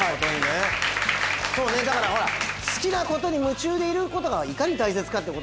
そうねだから好きなことに夢中でいることがいかに大切かってことですよね。